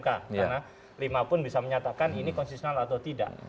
karena lima pun bisa menyatakan ini konstitusional atau tidak